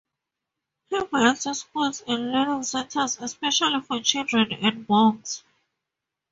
He built schools and learning centers especially for children and monks.